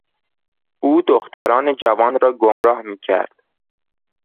او دختران جوان را گمراه میکرد.